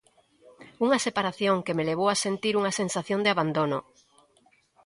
Unha separación que me levou a sentir unha sensación de abandono.